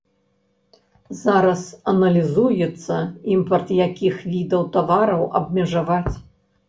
Зараз аналізуецца, імпарт якіх відаў тавараў абмежаваць.